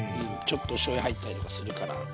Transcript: ちょっとしょうゆ入ったりとかするから。